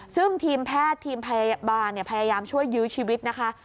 ซึ่งทีมแพทย์ทีมพยาบาลพยายามช่วยยื้อชีวิตนะคะ